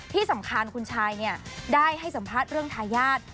ที่สำคัญคุณชายได้ให้สัมภาษณ์เรื่องทายาท